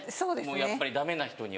やっぱりダメな人には。